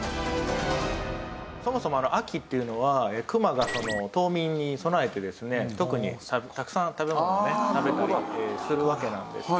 そもそも秋っていうのはクマが冬眠に備えてですね特にたくさん食べ物を食べたりするわけなんですけれども。